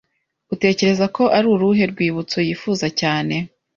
Utekereza ko ari uruhe rwibutso yifuza cyane?